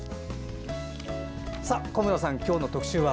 小村さん、今日の特集は？